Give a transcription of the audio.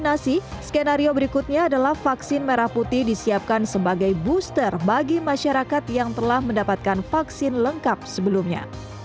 vaksinasi skenario berikutnya adalah vaksin merah putih disiapkan sebagai booster bagi masyarakat yang telah mendapatkan vaksin lengkap sebelumnya